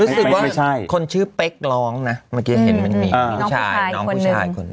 รู้สึกว่าคนชื่อเป๊กร้องนะเมื่อกี้เห็นมันมีผู้ชายน้องผู้ชายคนหนึ่ง